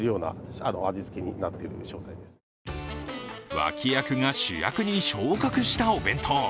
脇役が主役に昇格したお弁当。